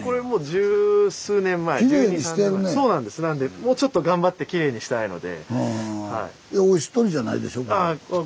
もうちょっと頑張ってきれいにしたいので。